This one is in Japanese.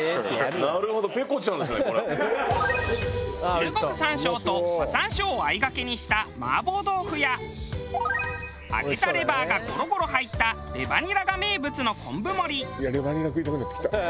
中国山椒と和山椒をあいがけにした麻婆豆腐や揚げたレバーがゴロゴロ入ったレバニラが名物の昆布森。